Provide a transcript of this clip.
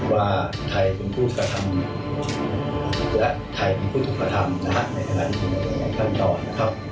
ว่าใครคุ้มพูดถูกธรรมหรือใครคุ้มพูดถูกธรรมนะครับในธนาฬิกาในขั้นตอนนะครับ